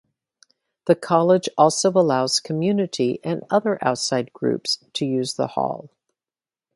The college also allows community and other outside groups to use the hall.